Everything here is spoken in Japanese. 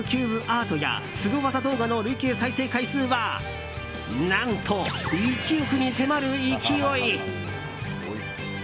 アートやスゴ技動画の累計再生回数は何と１億に迫る勢い。